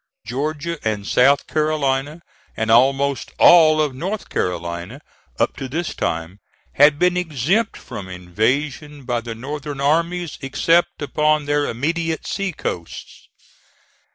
Georgia, and South Carolina, and almost all of North Carolina, up to this time, had been exempt from invasion by the Northern armies, except upon their immediate sea coasts.